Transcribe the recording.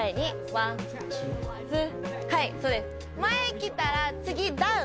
前来たら次ダウン。